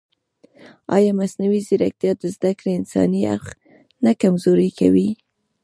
ایا مصنوعي ځیرکتیا د زده کړې انساني اړخ نه کمزوری کوي؟